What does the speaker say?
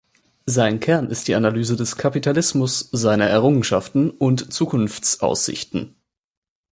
Sein Kern ist die Analyse des Kapitalismus, seiner Errungenschaften und Zukunftsaussichten.